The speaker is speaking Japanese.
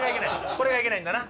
これがいけないんだな。